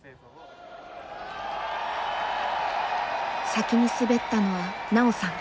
先に滑ったのは奈緒さん。